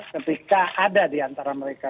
ketika ada diantara mereka